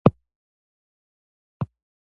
مڼې د وردګو ولایت نښان دی.